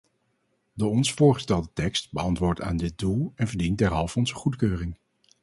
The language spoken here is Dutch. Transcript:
De ons voorgestelde tekst beantwoordt aan dit doel en verdient derhalve onze goedkeuring.